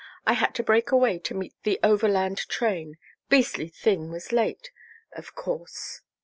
I had to break away to meet the Overland train beastly thing was late, of course.